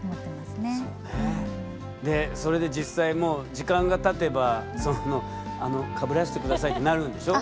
それで実際時間がたてばかぶらして下さいってなるんでしょ？